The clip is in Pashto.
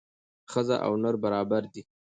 ښځه او نر برابر دي